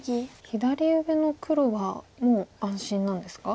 左上の黒はもう安心なんですか？